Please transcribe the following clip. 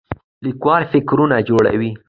لیکوال فکرونه جوړوي